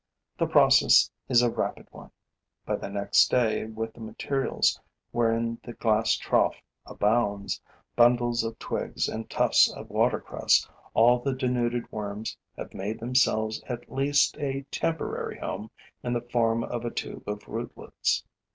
The process is a rapid one. By the next day, with the materials wherein the glass trough abounds bundles of twigs and tufts of watercress all the denuded worms have made themselves at least a temporary home in the form of a tube of rootlets.